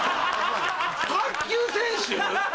卓球選手？